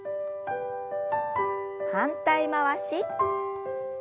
反対回し。